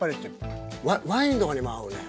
ワインとかにも合うね。